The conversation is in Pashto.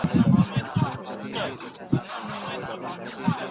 انجینري پوهنځۍ په پټه نه بدلیږي.